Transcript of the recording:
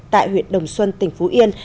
tại huyện đồng xuân tỉnh phú yên